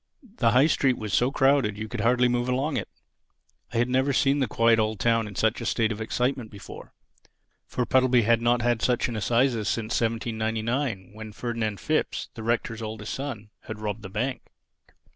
The High Street was so crowded you could hardly move along it. I had never seen the quiet old town in such a state of excitement before. For Puddleby had not had such an Assizes since 1799, when Ferdinand Phipps, the Rector's oldest son, had robbed the bank.